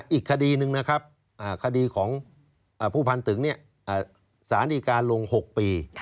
อีกคดีหนึ่งนะครับคดีของผู้พันตึงสารดีการลง๖ปี